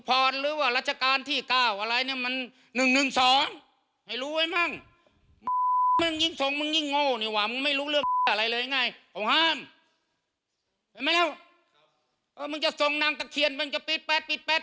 ของห้ามเห็นไหมแล้วเออมึงจะทรงนางตะเคียนมึงจะปิดแป๊ดปิดแป๊ด